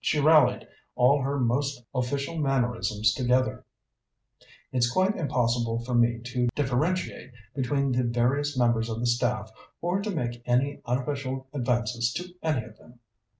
She rallied all her most official mannerisms together. "It's quite impossible for me to differentiate between the various members of the staff, or to make any unofficial advances to any of them."